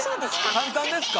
簡単ですか？